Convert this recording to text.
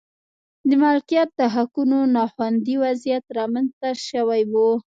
د مالکیت د حقونو نا خوندي وضعیت رامنځته شوی و.